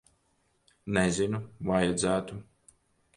Nezinu. Vajadzētu.